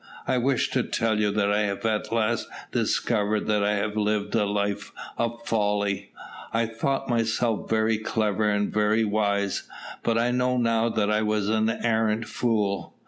"I wish to tell you that I have at last discovered that I have lived a life of folly. I thought myself very clever and very wise, but I now know that I was an arrant fool.